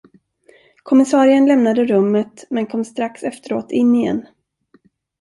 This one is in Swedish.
Kommissarien lämnade rummet men kom strax efteråt in igen.